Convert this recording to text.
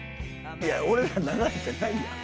いや俺ら流れてないやん。